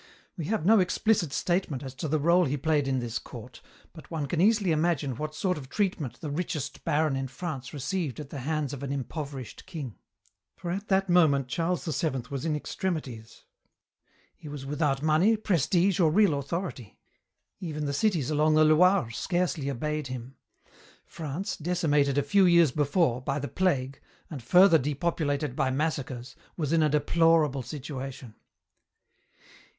We have no explicit statement as to the rôle he played in this court, but one can easily imagine what sort of treatment the richest baron in France received at the hands of an impoverished king. "For at that moment Charles VII was in extremities. He was without money, prestige, or real authority. Even the cities along the Loire scarcely obeyed him. France, decimated a few years before, by the plague, and further depopulated by massacres, was in a deplorable situation.